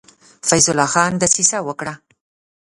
فیض الله خان دسیسه وکړه.